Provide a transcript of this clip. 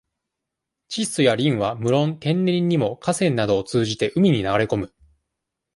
窒素や燐は、むろん、天然にも、河川などを通じて、海に流れこむ。